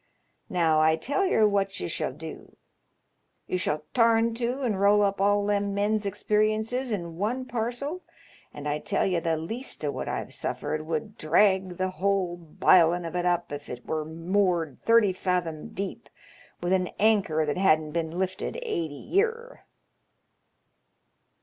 Now, I tell yer what you shall do. You shall tarn to and roll up all them men's experiences in one parcel, and I tell ye the least o' what I've suffered would drag the whole bilin' of it up if it were moored thirty fathom deep with an anchor that hadn't bin' lifted eighty year."